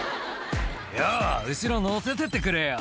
「よぉ後ろ乗せてってくれよ」